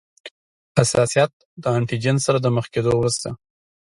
حساسیت د انټي جېن سره د مخ کیدو وروسته.